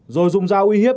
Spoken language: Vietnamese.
rồi dùng dao uy hiểm